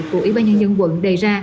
của ủy ban nhân dân quận đề ra